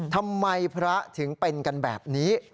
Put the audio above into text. ทำไมพระถึงเป็นกันแบบนี้